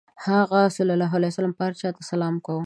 هغه ﷺ به هر چا ته سلام کاوه.